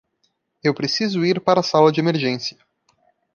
Eu preciso ir para a sala de emergência.